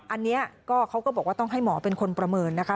อันนี้ก็เขาก็บอกว่าต้องให้หมอเป็นคนประเมินนะคะ